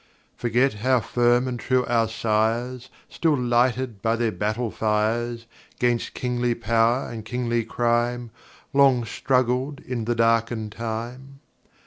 Forget how firm and true our sires, Still lighted by their battle fires,'Gainst kingly power and kingly crime, Long struggled in the darkened time?